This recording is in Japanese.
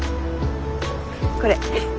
これ。